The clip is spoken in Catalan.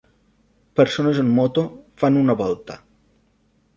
Persones en moto fan una volta.